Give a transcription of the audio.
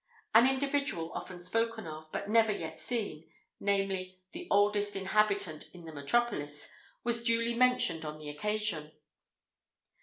An individual often spoken of, but never yet seen—namely, "the oldest inhabitant in the metropolis"—was duly mentioned on the occasion.